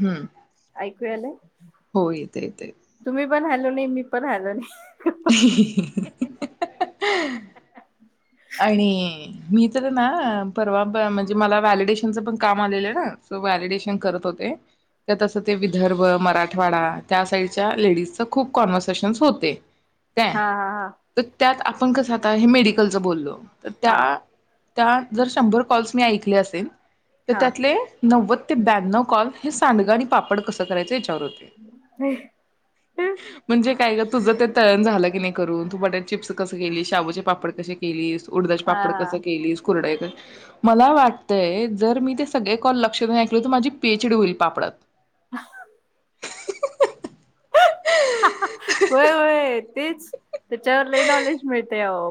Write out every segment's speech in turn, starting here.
हुं ऐकू यालय हो येतय येतय. तुम्ही पण हॅलो नाही मी पण हॅलो नाही [unintelligible] आणि मी तर ना परवा ब म्हणजे मला व्हलडेशनच पण काम आलेलं ना सो व्हलिडेशन करत होते, त्यात असं ते विदर्भ, मराठवाडा त्या साइडच्या लेडीज खूप कॉनवसेशन होते. काय हा हा त त्यात आप आपण कसं आता हे मेडिकल च बोललो. तर त्या हा त्या जर शंभर कॉल्स मी ऐकले असेन त हा त्यातले नव्वद ते ब्याण्णव कॉल हे सांडग आणी पापड कसं करायचं याच च्यावर होते. हा म्हणजे काय ग तुझ ते त झाला की नाही करुन, तू बटाटे चिप्स कस केलीस शाबुचे पापड कसे केलीस. उडद्याचे पापड कस हा केलीस? कुरड्या मला वाटतंय जर मी ते सगळे कॉल लक्ष देऊन ऐकलो तर, माझी पी एच डी होईल पापडात. [inaudible] होय होय. तेच तेच्यावर लय नॉलेज मिळतय आओ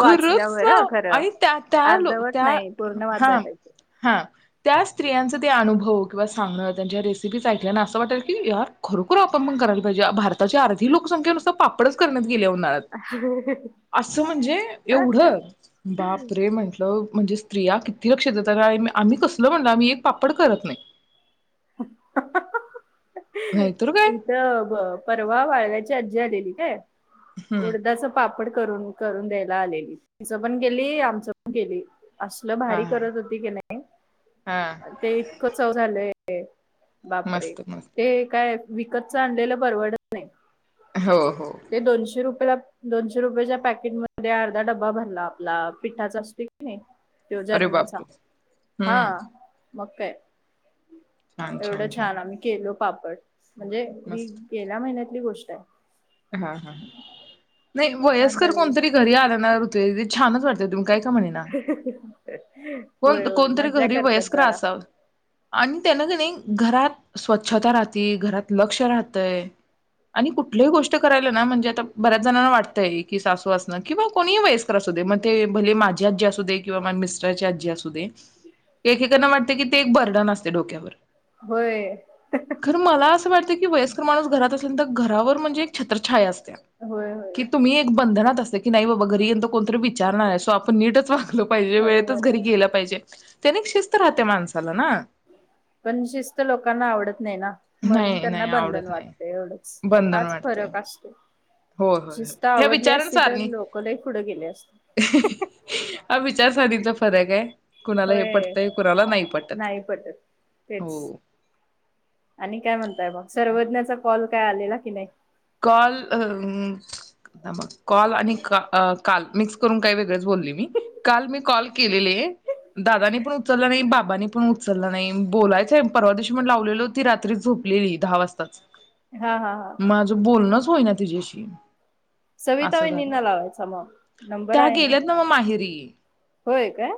खरचं ना आणि त्या त्या लो अर्धवट त्या नाही पूर्ण हा वाचाय पाहिजे हा त्या स्त्रियाचा ते अनुभव किंवा सांगणं त्यांच्या रेसिपीच ऐकल्या ना असं वाटेल की यार खरोखर आपण करायला पाहिजे भारताची अर्धी लोकसंख्या नुसतं पापडच करण्यात गेलीय उन्हाळ्यात असं म्हणजे एवढं बाप रे म्हटलं [unintelligible] म्हणजे स्त्रिया किती लक्ष देतात. [unintelligible] आम्ही कसल म्हणार, आम्ही एक पापड करत नाय. [inaudible] नाहीतर काय इथं ब परवा वाळव्याच ची आजी आलेली काय? हम्म उडदाच पापड करूण करून द्यायला आलेली. तिचं पण केली, आमचं पण केली. असल हा भारी हा करत होती क नाय. हा ते इतकं चव झालंय. ते, बापरे, मस्त मस्त ते काय विकतचं आणलेलं परवडत नाही. हो हो ते दोनशे रुपयात दोनशे रुपयाच्या पॅकेटमधे अर्धा डब्बा भरला. आपला पिठाचा असतो की नाही. तो अरे जर्मनचा. बापरे हम्म हा, मग काय. एवढं छान आम्ही केलो. पापड, म्हणजे ही मस्त गेल्या महिन्यात चांगली गोष्ट आहे. हा हा, ह नाही छान वयस्कर झालेली कोणतरी घरी आलं ना छान, तुम काय का म्हणेना, होय पण होय कोणतरी मज्जा घरी करतात वयस्कर जरा असावं आणि त्यानं क नई - घरात स्वच्छता राहती, घरात लक्ष राहतंय आणि कुठल्याही गोष्ट ते करायलाय ना म्हणजे आता बऱ्याच जणांना वाटतंय की सासू असणं किंवा कोणीही वयस्कर असू दे मग ते भले माझी आजी असू दे किंवा मिस्टराची आजी असू दे, एकेकांना वाटते की ते एक बर्डन असतय डोक्यावर. व्हय, ती वयस्कर माणूस घरात असल्यानंतर तर घरावर म्हणजे छत्रछाया असते. होय होय कि तुम्ही एक बंधनात असतं की, नाही बाबा घरी एक कोणतरी विचारणारं आहे सो आपण नीटच वाग आलं पाहिजे, वेळेतच बरोबर घरी आहे गेलं पाहिजे. त्याने एक शिस्त राहते माणसाला ना. पण शिस्त लोकांना आवडत नाही ना, म्हणून नाही त्यांना नाही बंधन आवडत नाही वाटत एवढंच. हाच फरक फरक असतोय. हो होय होय, या विचारसरणी लोक लय पुढे गेले असते हा विचारसणीचा फरक आहे. कुणाला हे होय पटतंय, कुणाला नाही पटत, नाही पटत तेच हो. आणि काय म्हणताय मग सर्वज्ञाचा कॉल काय आलेला की नाही, कॉल अं थांबा कॉल आणि अ काल मिक्स करून काही वेगळेच बोलले मी. काल मी कॉल केलेले, दादाने पण उचलला नाही, बाबांनी पण उचलला नाही, बोलायचंय. परवादिवशी पण लावलेलं होती. रात्री झोपलेली दहा वाजताच. हा. हा. हा. माझं बोलणंच होईना तिझ्याशी. सविता असं झालं. वहिनींना लावायचा मग नंबर त्या आहे ना गेल्यात नव मग माहेरी. होय काय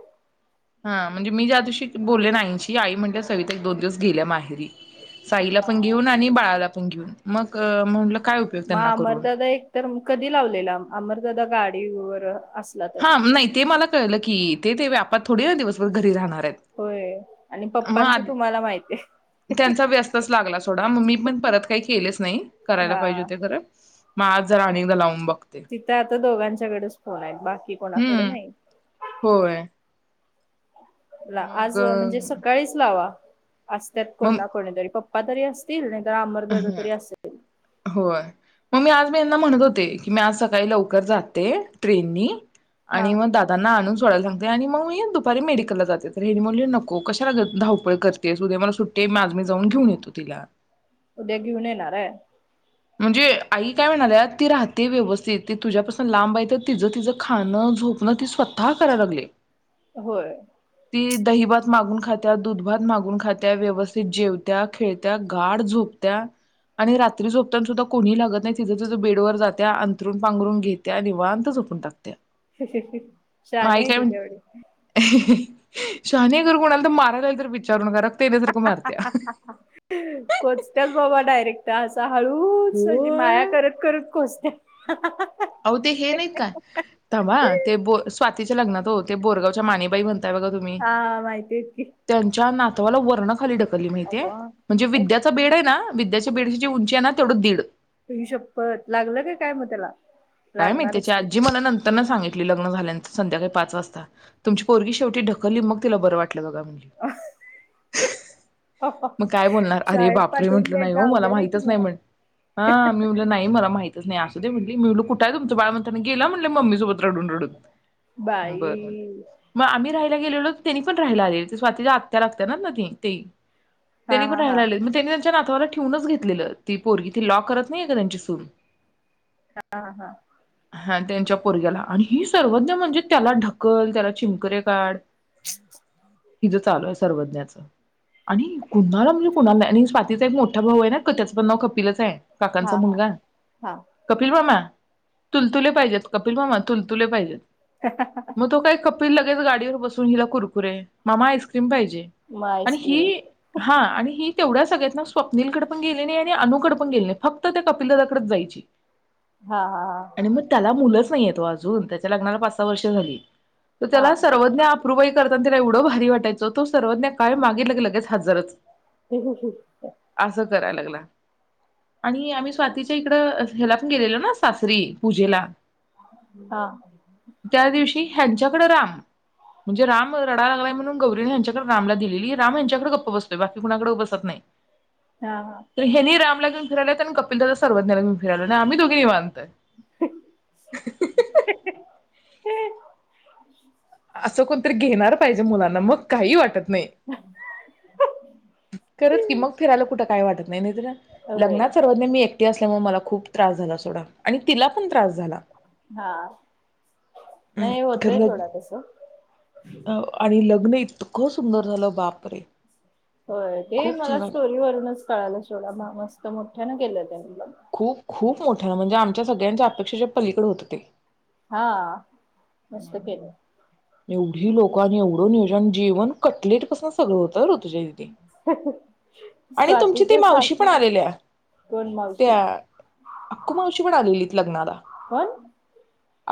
हा म्हणजे मी ज्या दिवशी - बोल्लेना आईंशी आई म्हणाल्या सविता एकदोन दिवस गेल्या माहेरी. साईला पण हा. घेऊन आणि बाळाला प घ्युन मगअ म्हणलं म अमरदादा एक तर म कधी लावलेला? अमरदादा गाड ईवर हां. नाही ते मला कळलं की तेते व्यापात थोडीना दिवसभर घरी राहणार. होय आणि म आत पप्पांचं तुम्हाला माहिती आहे त्यांचा व्यस्तच लागला सोडा म मी पण परत काही केलेच नाही. करायला पाहिजे हा हुत्या खरं. म आज जरा आणि एकदा लाउन बग तित आता दोघांच्याकडच फोनाय. बाकी कोणाकड हम्म नई. होय. ला मग आजं म्हंजे सकाळीच लावा. असत्यात कोन ना मग कोणीतरी पप् असतील [unintelligible] अमरदादा तरी असेल. होय ममी आज मी यांना म्हणत होते, की मी आज सकाळी लवकर जाते. ट्रेननी. हा. आणि म दादांना आणून‌ सो सोडायला सांगते आणि मगमी दुपारी मेडिकलला जाते. तर हेंनी म्हणले नको कशालाग धावपळ करतेस उद्या मला सुट्टी माजमी जाऊन घेन येतो तिला. उद्या घेऊन येणाराय? म्हणजे आई काय म्हणाल्या, ती राहते व्यवस्थित ती तुझ्यापासून लांब आहे तर तिज तिज खाणं, झोपणं ती स्वतः करायला लागलीय. होय. ती दहीभात मागून खात्या, दुधभात मागून खात्या व्यवस्थित जेवत्या, खेळत्या, गाढ झोपत्या आणि रात्री झोप ताना सुद्धा कोणीही लागत नाही. तिज तिज बेडवर जात्या. अंथरून, पांघरून घेत्या निवांत झोपून टाकत्या. शानीये ती तेवढी. शहाणीय खरं कोणाला तर मारायला आलीतर विचारू नका रक- कोचत्याच बाबा डायरेक्ट आज हळूच म्हणजे माया होय करत करत कोचत्या हं हं हं आओ ते हे नाहीत काय, थांबा हां. ते बो स्वातीच्या लग्नात ओ ते बोरगावच्या मानेबाई म्हण ताय बघा तुम्ही हा माहिती आहेत की त्यांच्या नात तुमाला वरनं खाली ढक लली माहितीये अव्वा. म्हणजे अव, विद्याचा बेड आहे ना, विद्याच्या बेडचीजी उंची आहेना [inaudible] आई शप्पत लागलं का काय मग त्याला? काय माहित त्याची लागणारच की. आजी मला नंतर न सांगितली लग्न झाल्या संध्याकाळी पाच वाजता. तुमची पोरगी शेवटी ढकलली मग तिला बरं वाटतं आपटलं बघा म्हणाली मग काय बोलणार? अरे शाळेत बापरे पाठवून म्हटलं नाही द्यायचं ओ मला अवघड आहे कि माहितच नाही मग. म्हण हा मी म्हटलं नाही मला माहितच नाही [unintelligible] मी म्हटलं कुठाय तुमच बाळ? गेला म्हणल, मम्मी सोबत रडून. रडून. बाई बर मग आम्ही गेलेलो त्यांनी पण राहिला आलेले. स्वातीच्या आत्या लागत ना ति हा त्यांनी पण हा हा राहायला आलेत मग त्यांनी नातवाला ठेवूनच घेतलेल. ती पोरगी ती लॉ करत नाही का? त्यांची सून हा. हा. हा त्यांच्या पोरग्याला आणि ही सर्वज्ञा म्हणजे त्याला ढकल, त्याला चिमकरे काढ, - [inaudible] हिज चालू आहे. सर्वज्ञाच आणि कुणाला म्हणजे कुणाला नाही आणि स्वातीचा एक मोठा भाऊ आहे ना त्याच पण नाव कपिलच आहे. हा काकांचा हा मुलगा. हा कपिल मामा. तुलतुले पाहिजेत. कपिल मामा तुलतुले पाहिजेत मग तो काय खप लगेच गाडीवर बसून हिला कुरकुरे, मामा आईस्क्रीम पाहिजे मग आणि आईस्क्रीम ही हा. आणि ही तेवढ्या सगळ्यातना स्वप्नीलकडे पण गेली नाई आणि अनूकडे पण गेले नाई फक्त त्या कपिल दादा कडच जायची. हा हा आणि मग त्याला मुलंच नाहीयेत ओ अजून त्याच्या लग्नाला पाच सहा वर्ष झाली. तर हा हा त्याला सर्वज्ञा आप [unintelligible] करताना तिला एवढं भारी वाटायचं तो सर्वज्ञा काय मागितलं की लगेच हजरच [unintelligible] कराय लागला. आणि आम्ही स्वातीच्या इकड ह्याला पण गेलेलो ना सासरी पूजेला. हा त्या दिवशी ह्यांच्या [unintelligible] म्हणजे राम रडाय लागला म्हणून गौरी ह्यांच्या रामला दिलेली राम यांच्याकडे गप्प बसतो बाकी कुणाकडे बसत नाही. हा हा तर हेनी रामला फिरालाय नेतात कपिल दादा सर्वज्ञा घेवून फिरायलात आणि आम्ही दोघी निवांत [inaudible] असं कोणतरी घेणार पाहिजे मुलांना मग काही वाटत मे खरंच की मग फिरायला कुठं काय वाटत नाहीतर होय लग्नात सर्वज्ञा आणि मी एक एकटी असल्यामुळे मला खूप त्रास झाला सोडा आणि तिला पण त्रास झाला हा नाही होतय सोडा तस आणि ल लग्न इतकं सुंदर झालं, बापरे. होय ते खूप मला छान आलं. स्टोरीवरूनच कळायला सोड मस्त मस्त केलं त्यानी खूप खूप मोठ्या ना म्हणजे आमच्या सगळ्यांच्या अपेक्षांच्या पलीकड होत ते. हा मस्त केले. एवढी लोक आणि एवढं नियोजन जेवण कटलेट पासन सगळं होत ॠतुजा दिदी आणि तुमची ती स्वातीच्या मावशी सासू पण आलेल्या कोण मावशी त्या अक्कू मावशी पण आलेलीत लग्नाला. कोण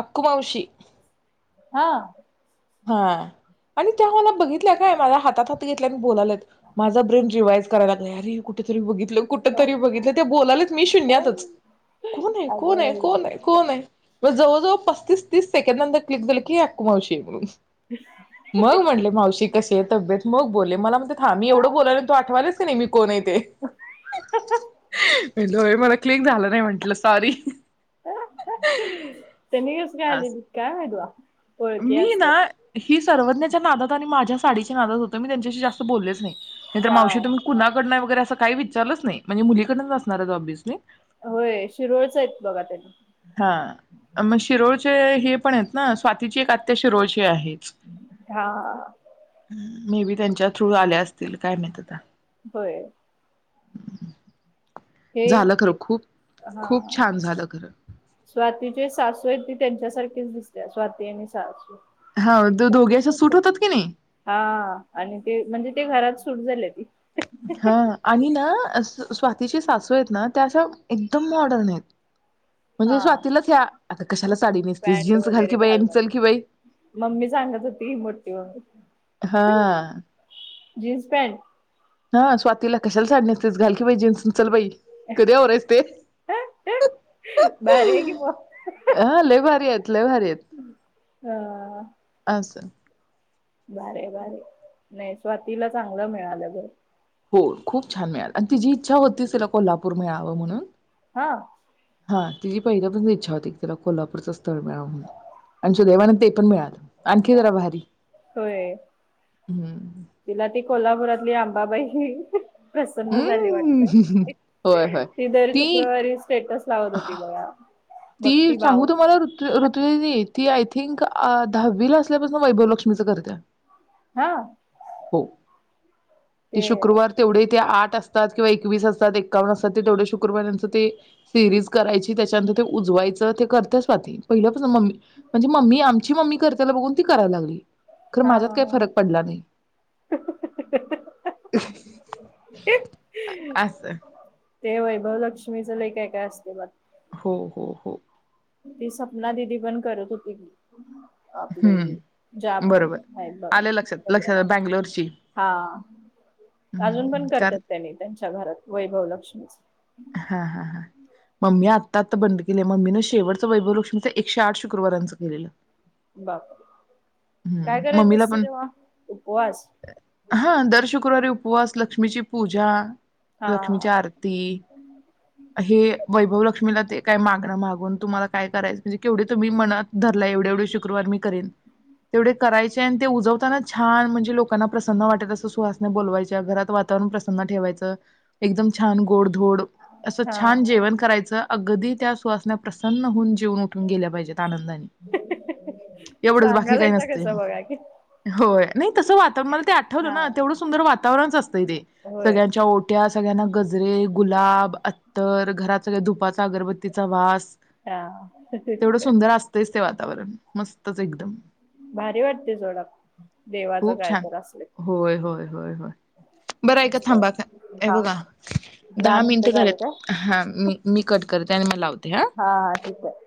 अक्कू मावशी. हा. हा आणि त्या मला बघितल्या काय माझ्या हातात हात घेतल्या बोलालत माझा ब्रेन जीवयचा करायल्यात अरे कुठेतरी बघित कुठ तरी बघितलं ते बोलाल्यात मी शून्यातच कोण आहे अग कोण आहे कोण बाई आहे कोण आहे. मग जवळजवळ पस्तीस तीस सेकंड नंतर क्लिक झालं की अकुमावशी आहे म्हणून. मग म्हणलं मावशी कसे तब्येत मग बोलले मला म्हणत्यात हां मी एवढं बोलायलोय तू आठवायल्यास कणी मी कोण हाय ते मी म्हंटल होय मला क्लीक झालं नाही म्हंटलं सॉरी त्यांनी का आलेलीत असं काय माहित बा. [inaudible] मी ना असतात. मी सर्वज्ञाच्या नादात आणि माझ्याच साडीच्या नादात होते मी त्यांच्याशी जास्त बोललेच नायी, नाही तर हा. मावशी तुमी कुणाकडण वगैरे अस काही विचारलच नाही म्हणजे मुलीकडनच असणारे ऑबिअसली. होय शिरवळच आहेत बघा ते ते हे पण आहेत ना स्वा तिची एक आत्या शिरोडची आहे. हा. मे बी त्यांच्या थ्रू आल्या असतील काय माहीत आता. व्हय. हे झालं खरं खूप हा खूप छान झालं खरं स्वातीचे सासू आहे ती त्यांच्यासारखी तेच दिसताये स्वाती आणि सासू हाव ते दोघे अस सूट होतात की नई. हा आणि ते म्हणजे ते घरात सुट झालेती. हा आणि ना अस स्वातीची सासू येत ना त्या अश्या एकदम मॉडर्न येत हा म्हणजे स्वातीलाच ह्या आता कशाला साडी नेसतीस पॅन्ट जीन्स घाल की वगैरे बई आणि म्हणून चल की बई मम्मी सांगत होती मोठी मम्मी हा. Jeans pant. हा स्वातीला कशाला साडी नेसतेस घाल की बई जीन्स अणि चल बई. कधी होरयस ते भारी आहे की मग ह अ ले भारी आहेत. लई भारीयेत. [unintelligible] [unintelligible] बारे बारे नाही स्वातीला चांगलं मिळालं घर. हो खूप छान मिळाल आणि ति जी इच्छा होती तिला कोल्हापूर मिळाव म्हणून हा. हा तिजी पहिल्यापर इच्छा होती की तिला कोल्हापूरचं स्थळ मिळाव म्हणून आणि सुदैवान ते पण मिळा आणखी जरा भारी होय हम्म. ये आंबा बाई प्रसन्न झाली हम्म वाटत होय होय ती दर ती शुक्रवारी स्टेटस [unintelligible] होती बया. ती सांगू तुम्हाला ऋत ऋतु दीदी ती आय थिंक आ दहावी ला असल्यापासून वैभव लक्ष्मीच करतेय. हा हो. ते शुक्रवार तेवढे ते आठ असतात किंवा एकवीस असतात एक्कावन अस त ते तेवढे शुक्रवारांच ते सिरीज करायची त्याच्यानंत ते उजवायचं ते करता स्वाती पहिलं कस मम्मी म्हणजे मम्मी आमची मम्मी करत्याला बघून ती करायला लागली. खर हा माझ्यात काही फरक पडला नाही. अस ते वैभवलक्ष्मीचं लय काय काय असतय बा हो हो हो ती सपना दिदी पण करत होती की, आपले हम्म जाबर बरोबर. आहेत बघा आलं लक्षात लक्षात चंद्रभागा बँगलोरची हा अजून हम्म पण कर करतात त्यांनी त्यांच मच्या घरात वैभव लक्ष्मीच. हा हा हा मम्मी आत्ता आता बंद केलय मम्मीनं शेवटचं वैभवलक्ष्मीच एकशे आठ शुक्रवारांचं केलेलं. बापरे! काय हम्म करायचं मम्मीला असतय पण तेव्हा उपवास हा दर शुक्रवारी उपवास लक्ष्मीची पूजा. हा लक्ष्मीची आरती हे वैभव लक्ष्मीला ते काय मागण मागून तुम्हाला काय करायचं म्हणजे केवढे तुम्ही मनात धरला एवढे एवढे शुक्रवार मी करेन तेवढे करायचे आणि ते उजवताना छान म्हणजे लोकांना प्रसन्न वाटेल असं सुहासन्या बोलवायच्या घरात वातावरण प्रसन्न ठेवायचं. एकदम छान गोडधोड - - असं हा छान जेवण करायचं. अगदी त्या सुहासन्या प्रसन्न होऊन - - जेऊन उठून गेल्या पाहिजेत आनंदानी, येवढच बाकी काय सांगालायचा नसतय कसा बघा की मग होय नही तस वातावरण मला ते आठवत हा ना तेवढ सुंदर वातावरणच असतय ते होय सगळ्यांच्या ओट्या - - सगळ्यांना गजरे, गुलाब, तर घरात सगळ धुपाचा अगरबत्तीचा वास - - हा असतंच ते वातावरण मस्तच एकदम. भारी वाटतय सोडा. देवाच खूप काय छान तर असंल होय होय होय होय बरं ऐका थांबा हे बघा दहा मिनिटं झालेत. हा मी मी कट कर ते आणि म लाव हा हा ठीक आहे.